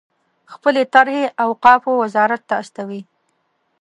خپلې طرحې اوقافو وزارت ته استوي.